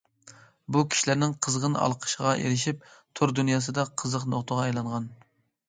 بۇ كىشىلەرنىڭ قىزغىن ئالقىشىغا ئېرىشىپ تور دۇنياسىدا قىزىق نۇقتىغا ئايلانغان.